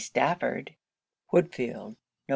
STAFFORD.' _Woodfield, Nov.